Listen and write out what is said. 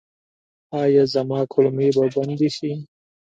ایا زما کولمې به بندې شي؟